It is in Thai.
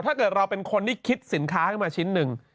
ถ้าเกิดเราเป็นคนที่คิดสินค้าขึ้นมาชิ้นหนึ่ง